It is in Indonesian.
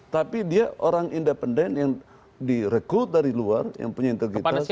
tapi dia orang independen yang direkrut dari luar yang punya integritas